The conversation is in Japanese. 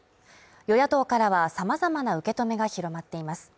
与野党からは様々な受け止めが広まっています